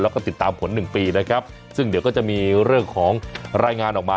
แล้วก็ติดตามผลหนึ่งปีนะครับซึ่งเดี๋ยวก็จะมีเรื่องของรายงานออกมา